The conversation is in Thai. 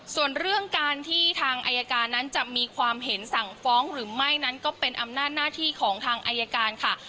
ส่วนเรื่องการที่ทางอายการนั้นจะมีความเห็นสั่งฟ้องหรือไม่นั้นก็เป็นอำนาจหน้าที่ของทางอายการค่ะ